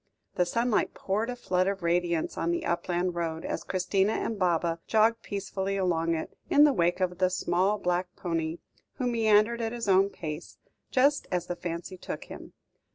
The sunlight poured a flood of radiance on the upland road, as Christina and Baba jogged peacefully along it, in the wake of the small black pony, who meandered on at his own pace, just as the fancy took him.